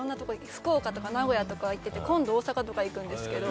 福岡とか名古屋とか行ってて、今度大阪とか行くんですけど。